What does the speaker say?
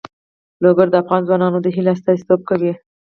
لوگر د افغان ځوانانو د هیلو استازیتوب کوي.